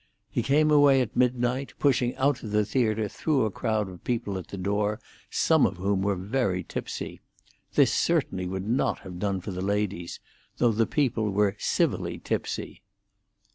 He came away at midnight, pushing out of the theatre through a crowd of people at the door, some of whom were tipsy. This certainly would not have done for the ladies, though the people were civilly tipsy.